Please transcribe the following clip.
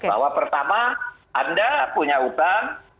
bahwa pertama anda punya hutang